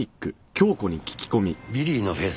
ビリーのフェイス